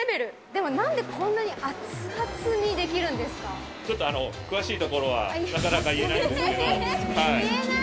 でもなんでこんなに熱々にできるちょっと詳しいところはなか言えないんだ。